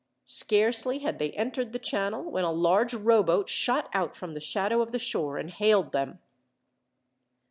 Scarcely had they entered the channel, when a large rowboat shot out from the shadow of the shore and hailed them.